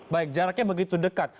baik jaraknya begitu dekat